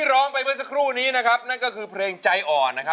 แล้วแบบนี้นะครับครับรับแล้วค่ะ